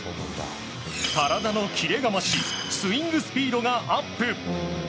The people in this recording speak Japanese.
体のキレが増しスイングスピードがアップ。